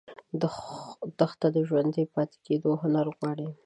دښته د ژوندي پاتې کېدو هنر غواړي.